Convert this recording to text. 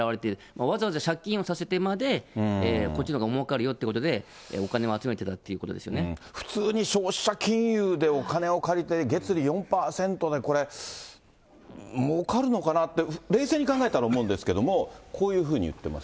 わざわざ借金をさせてまで、こっちの方がもうかるよということで、お金を集めてたということ普通に消費者金融でお金を借りて、月利４％でこれ、もうかるのかなって、冷静に考えたら思うんですけれども、こういうふうに言ってます。